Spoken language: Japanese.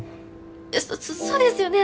そそうですよね！